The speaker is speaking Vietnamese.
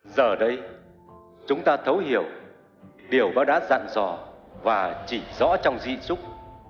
giờ đây chúng ta thấu hiểu điều bác đã dặn rõ và chỉ rõ trong di trúc